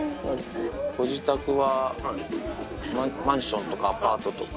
ご自宅はマンションとか、アパートとか。